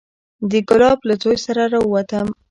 د ګلاب له زوى سره راووتم.